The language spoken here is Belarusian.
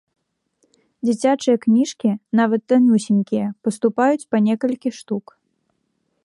Дзіцячыя кніжкі, нават танюсенькія, паступаюць па некалькі штук.